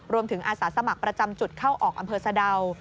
อาสาสมัครประจำจุดเข้าออกอำเภอสะดาว